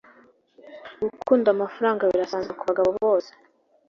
gukunda amafaranga birasanzwe kubagabo bose